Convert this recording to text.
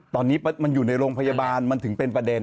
ตอนนี้มันอยู่ในโรงพยาบาลมันถึงเป็นประเด็น